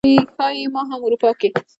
ښايي ما هم اروپا کې